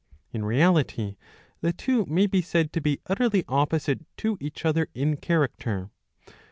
In reality the two may be said to be utterly opposite to each other in character.